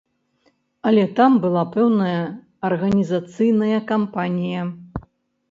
Але там была пэўная арганізацыйная кампанія.